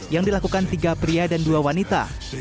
yang dilakukan tiga pria dan dua wanita